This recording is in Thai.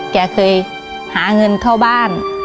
แกเคยหาเงินเข้าบ้าน